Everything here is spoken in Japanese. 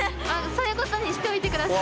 そういうことにしておいて下さい。